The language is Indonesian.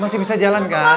masih bisa jalan kan